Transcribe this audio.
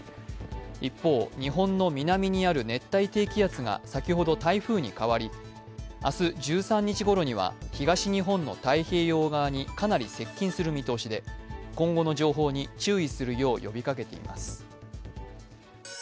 一方、日本の南にある熱帯低気圧が先ほど台風に変わり、明日１３日ごろには東日本の太平洋側にかなり接近する見通しで、今後の情報に注意するよう呼びかけています。